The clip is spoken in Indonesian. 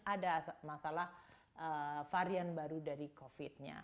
ada masalah varian baru dari covid nya